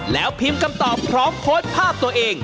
แล้วพิมพ์คำตอบพร้อมโพสต์ภาพตัวเอง